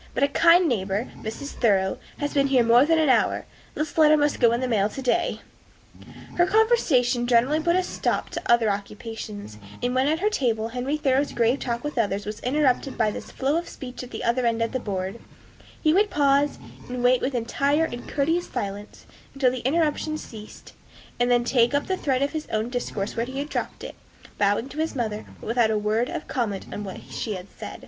But a kind neighbor, Mrs. Thoreau, has been here more than an hour. This letter must go in the mail to day." Her conversation generally put a stop to other occupations; and when at her table Henry Thoreau's grave talk with others was interrupted by this flow of speech at the other end of the board, he would pause, and wait with entire and courteous silence, until the interruption ceased, and then take up the thread of his own discourse where he had dropped it; bowing to his mother, but without a word of comment on what she had said.